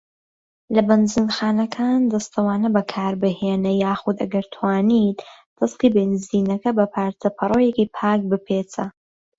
لە بەنزینخانەکان، دەستەوانە بەکاربهینە یاخود ئەگەر توانیت دەسکی بەنزینەکە بە پارچە پەڕۆیەکی پاک بپێچە.